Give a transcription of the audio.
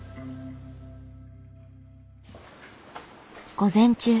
午前中。